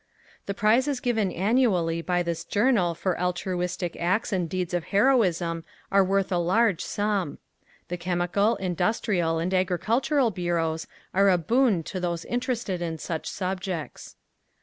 The prizes given annually by this journal for altruistic acts and deeds of heroism are worth a large sum. The chemical, industrial and agricultural bureaus are a boon to those interested in such subjects.